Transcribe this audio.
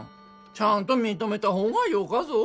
ちゃんと認めた方がよかぞ。